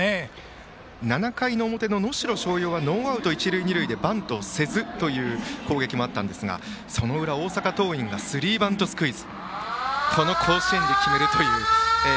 ７回の表の能代松陽はノーアウト、一塁二塁でバントせずという攻撃もありましたがその裏、大阪桐蔭がスリーバントスクイズ。